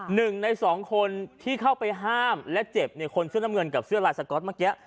หนึ่งในสองคนที่เข้าไปห้ามและเจ็บเนี่ยคนเสื้อน้ำเงินกับเสื้อลายสก๊อตเมื่อกี้